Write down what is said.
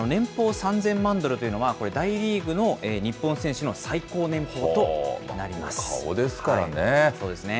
年俸３０００万ドルというのは、大リーグの日本選手の最高年俸と顔ですからね。